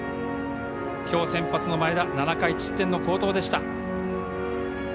きょう先発の前田７回１失点の好投でした。